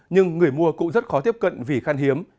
nhưng người mua cũng rất khó tiếp cận vì khăn hiếm